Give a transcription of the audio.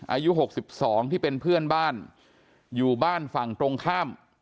อายุ๖๒ที่เป็นเพื่อนบ้านอยู่บ้านฝั่งตรงข้าม